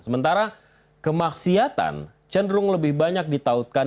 sementara kemaksiatan cenderung lebih banyak ditautkan